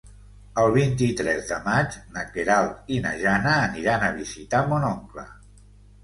El vint-i-tres de maig na Queralt i na Jana aniran a visitar mon oncle.